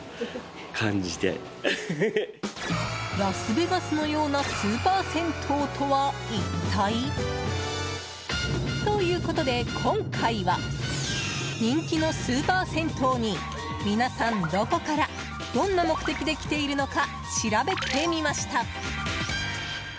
ラスベガスのようなスーパー銭湯とは一体？ということで、今回は人気のスーパー銭湯に皆さん、どこからどんな目的で来ているのか調べてみました。